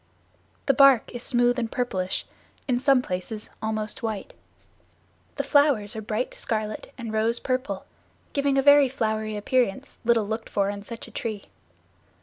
The bark is smooth and purplish, in some places almost white. The flowers are bright scarlet and rose purple, giving a very flowery appearance little looked for in such a tree.